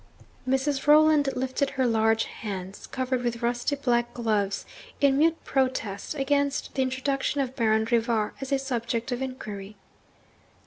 Mrs. Rolland lifted her large hands, covered with rusty black gloves, in mute protest against the introduction of Baron Rivar as a subject of inquiry.